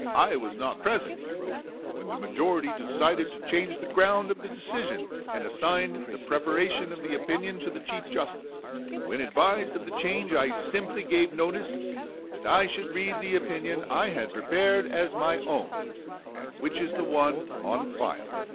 "I was not present," he wrote, "when the majority decided to change the ground of the decision, and assigned the preparation of the opinion to the Chief Justice; and when advised of the change I simply gave notice that I should read the opinion I had prepared as my own, and which is the one on file."